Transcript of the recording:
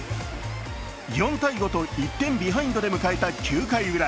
４−５と１点ビハインドで迎えた９回ウラ。